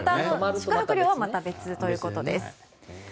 宿泊料はまた別ということです。